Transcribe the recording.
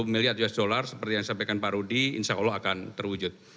satu ratus tiga puluh miliar usd seperti yang disampaikan pak rudi insyaallah akan terwujud